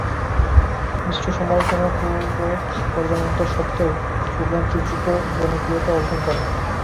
মিশ্র সমালোচনামূলক পর্যালোচনা সত্ত্বেও প্রোগ্রামটি দ্রুত জনপ্রিয়তা অর্জন করে।